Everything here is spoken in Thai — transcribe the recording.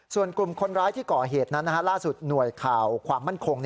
ส่วนกลุ่มคนร้ายที่ก่อเหตุนั้นล่าสุดหน่วยข่าวความมั่นคง